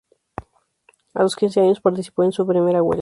A los quince años participó en su primera huelga.